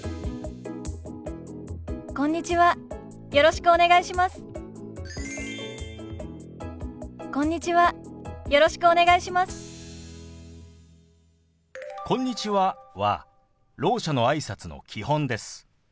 「こんにちは」はろう者のあいさつの基本です。